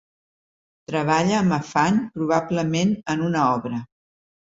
Treballa amb afany, probablement en una obra.